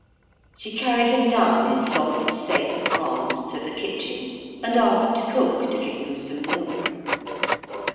She carried him down, in soft, safe arms, to the kitchen, and asked cook to give him some milk.